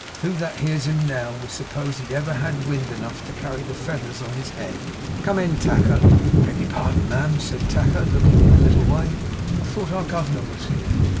Who that hears him now, would suppose he'd ever had wind enough to carry the feathers on his head! Come in, Tacker.' 'Beg your pardon, ma'am,' said Tacker, looking in a little way. 'I thought our Governor was here.